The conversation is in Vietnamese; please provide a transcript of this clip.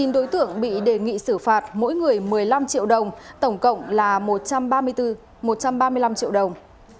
chín đối tượng bị đề nghị xử phạt mỗi người một mươi năm triệu đồng tổng cộng là một trăm ba mươi năm triệu đồng